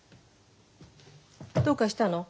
どうかしたの？